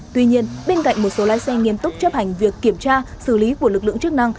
tuy nhiên bên cạnh một số lái xe nghiêm túc chấp hành việc kiểm tra xử lý của lực lượng chức năng